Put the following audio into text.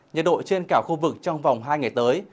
nhiệt độ trên cả khu vực trong vòng hai ngày tới